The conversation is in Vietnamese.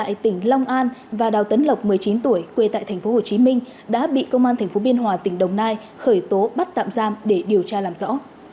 tại tỉnh long an và đào tấn lộc một mươi chín tuổi quê tại tp hcm đã bị công an tp biên hòa tỉnh đồng nai khởi tố bắt tạm giam để điều tra làm rõ